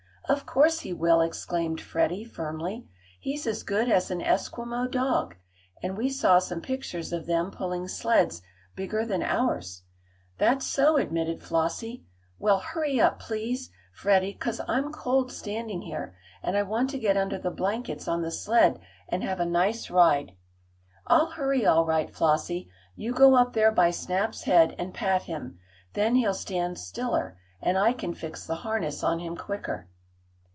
"Of course he will!" exclaimed Freddie firmly. "He's as good as an Esquimo dog, and we saw some pictures of them pulling sleds bigger than ours." "That's so," admitted Flossie. "Well, hurry up, please, Freddie 'cause I'm cold standing here, and I want to get under the blankets on the sled and have a nice ride." "I'll hurry all right, Flossie. You go up there by Snap's head and pat him. Then he'll stand stiller, and I can fix the harness on him quicker."